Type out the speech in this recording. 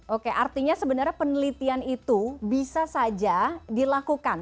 oke artinya sebenarnya penelitian itu bisa saja dilakukan